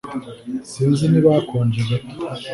sinzi niba hakonje gato